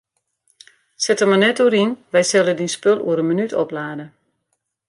Sit der mar net oer yn, wy sille dyn spul oer in minút oplade.